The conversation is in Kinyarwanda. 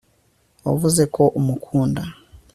wavuze ko umukunda